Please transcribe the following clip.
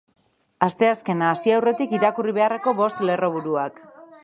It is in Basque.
Asteazkena hasi aurretik irakurri beharreko bost lerroburuak.